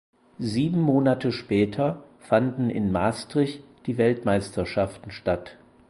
Sieben Monate später fanden in Maastricht die Weltmeisterschaften statt.